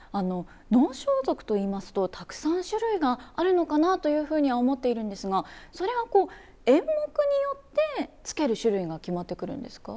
能装束といいますとたくさん種類があるのかなというふうには思っているんですがそれは演目によって着ける種類が決まってくるんですか？